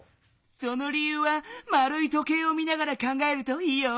その理ゆうはまるい時計を見ながら考えるといいよ。